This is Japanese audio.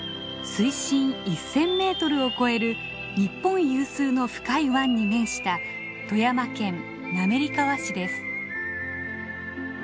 水深１，０００メートルを超える日本有数の深い湾に面した富山県滑川市です。